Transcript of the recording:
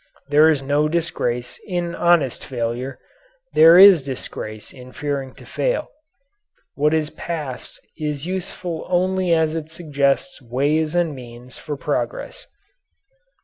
There is no disgrace in honest failure; there is disgrace in fearing to fail. What is past is useful only as it suggests ways and means for progress.